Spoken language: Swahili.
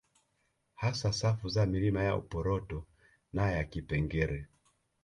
Hasa safu za milima ya Uporoto na ya Kipengere